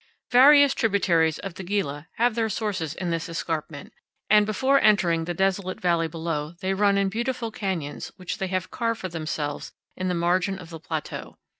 Various tributaries of the Gila have their sources in this escarpment, and before entering the desolate valley below they run in beautiful canyons which they have carved for themselves in the margin of the plateau.